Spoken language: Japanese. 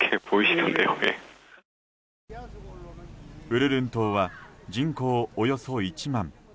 ウルルン島は人口、およそ１万。